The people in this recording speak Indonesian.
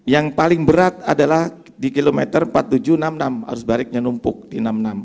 yang paling berat adalah di kilometer empat ribu tujuh ratus enam puluh enam arus balik nya numpuk di enam puluh enam